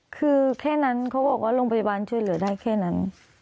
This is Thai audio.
คือแค่นั้นเขาบอกว่าโรงพยาบาลช่วยเหลือได้แค่นั้น